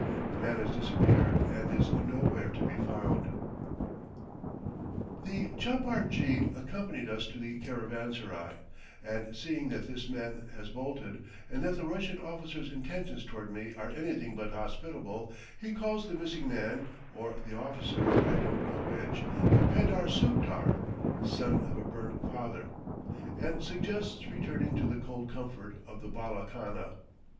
The man has disappeared and is nowhere to be found. The chapar jee accompanied us to the caravanserai, and seeing that this man has bolted, and that the Russian officer's intentions toward me are anything but hospitable, he calls the missing man or the officer, I don't know which a pedar suktar (son of a burnt father), and suggests returning to the cold comfort of the bala khana.